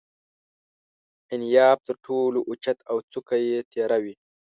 انیاب تر ټولو اوچت او څوکه یې تیره وي.